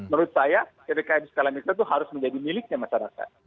menurut saya ppkm skala mikro itu harus menjadi miliknya masyarakat